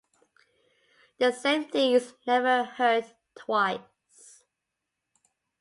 The same thing is never heard twice.